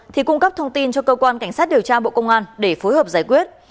thì cung cấp thông tin cho cơ quan cảnh sát điều tra bộ công an để phối hợp giải quyết